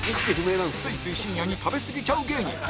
ついつい深夜に食べすぎちゃう芸人